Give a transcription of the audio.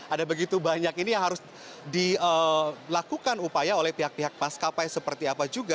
ada begitu banyak ini yang harus dilakukan upaya oleh pihak pihak maskapai seperti apa juga